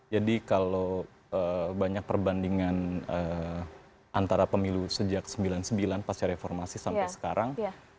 jadi kalau banyak perbandingan antara pemilu sejak sembilan puluh sembilan pas reformasi sampai sekarang